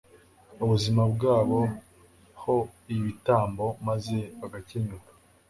ubuzima bwabo ho igitambo maze bagakenyuka